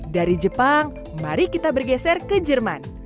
dari jepang mari kita bergeser ke jerman